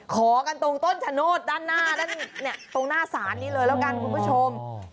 ขอกันตรงต้นชะโนธด้านหน้าด้านตรงหน้าศาลนี้เลยแล้วกันคุณผู้ชม